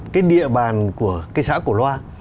cái địa bàn của cái xã cổ loa